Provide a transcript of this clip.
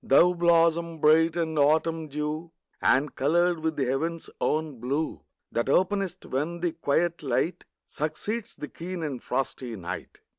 Thou blossom bright with autumn dew, And coloured with the heaven's own blue, That openest when the quiet light Succeeds the keen and frosty night.